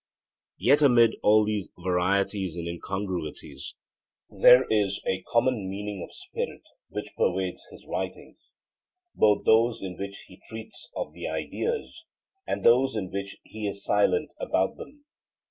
Yet amid all these varieties and incongruities, there is a common meaning or spirit which pervades his writings, both those in which he treats of the ideas and those in which he is silent about them.